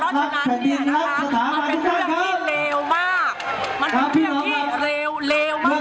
เพราะฉะนั้นนี่นะคะมันเป็นเรื่องที่เลวมาก